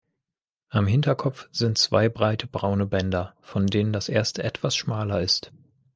Am Hinterkopf sind zwei breite braune Bänder, von denen das erste etwas schmaler ist.